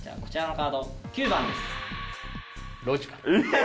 こちらのカード９番です。